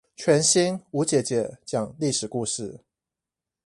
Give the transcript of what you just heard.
全新吳姐姐講歷史故事